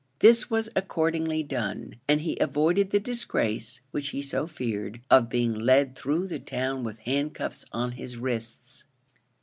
This was accordingly done, and he avoided the disgrace, which he so feared, of being led through the town with handcuffs on his wrists.